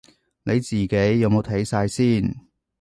你自己有冇睇晒先